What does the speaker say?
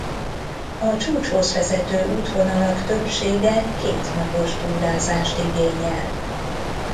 A csúcshoz vezető útvonalak többsége kétnapos túrázást igényel.